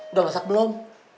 udah masak belum